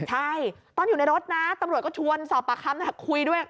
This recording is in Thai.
ใช่ตอนอยู่ในรถนะตำรวจก็ชวนสอบปากคำคุยด้วย